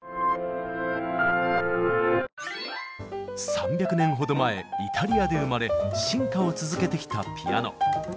３００年ほど前イタリアで生まれ進化を続けてきたピアノ。